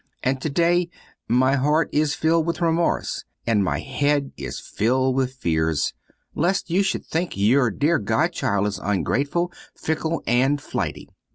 And to day my heart is filled with remorse and my head is filled with fears lest you should think your dear godchild is ungrateful, fickle, and flighty.